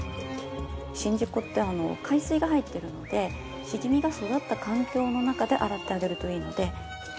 宍道湖って海水が入っているのでしじみが育った環境の中で洗ってあげるといいので。